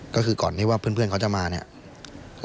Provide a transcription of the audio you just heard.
ก็คือก่อนที่ว่าเพื่อนเขาจะมาเนี่ย